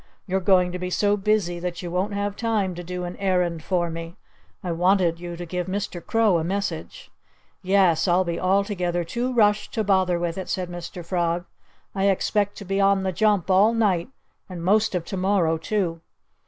"You're going to be so busy that you won't have time to do an errand for me. I wanted you to give Mr. Crow a message." "Yes I'll be altogether too rushed to bother with it," said Mr. Frog. "I expect to be on the jump all night and most of to morrow, too."